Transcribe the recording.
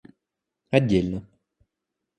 отдельно